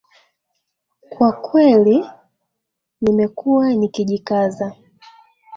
Kwa kweli nimekuwa nikijikaza